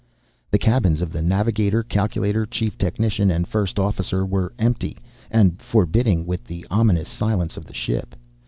The cabins of the navigator, calculator, chief technician, and first officer were empty, and forbidding with the ominous silence of the ship.